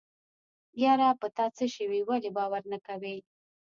يره په تاڅه شوي ولې باور نه کوې.